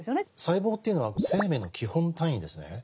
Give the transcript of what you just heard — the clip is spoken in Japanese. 細胞というのは生命の基本単位ですね。